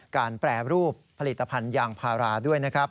แปรรูปผลิตภัณฑ์ยางพาราด้วยนะครับ